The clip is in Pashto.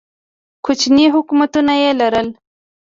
کوچني حکومتونه یې لرل.